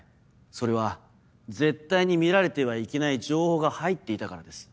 それは絶対に見られてはいけない情報が入っていたからです。